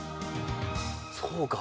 そうか。